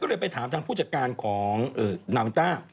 ก็เลยไปถามทางผู้จัดการของนาวินต้า